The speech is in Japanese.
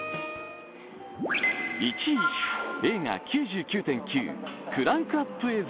１位、映画「９９．９」クランクアップ映像。